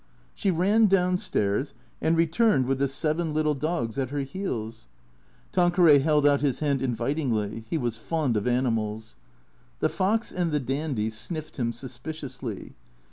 She ran down stairs, and returned with the seven little dogs 32 THECREATORS at her heels. Tanqueray held out his hand invitingly. (He was fond of animals.) The fox and the dandy sniffed him sus piciously.